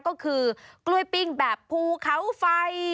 ก็คือกล้วยปิ้งแบบภูเขาไฟ